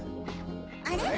あれ？